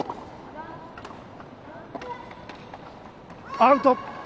アウト。